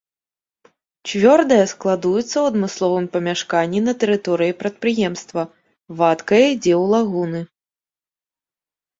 Цвёрдая складуецца ў адмысловым памяшканні на тэрыторыі прадпрыемства, вадкая ідзе ў лагуны.